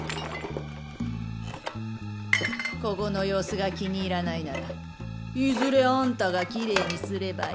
ここの様子が気に入らないならいずれあんたがきれいにすればいい。